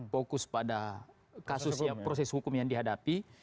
fokus pada kasus ya proses hukum yang dihadapi